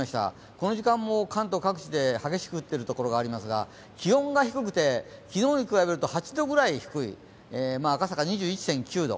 この時間も関東各地で激しく降っているところがありますが、気温が低くて昨日と比べると８度ぐらい低い赤坂２１．９度。